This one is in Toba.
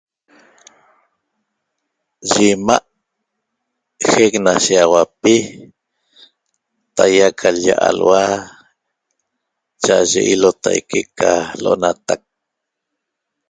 Yi imaa heq na shiaxauapi tahiaa' ca lya alua' l'lia cha aye ilotaque eca lonatac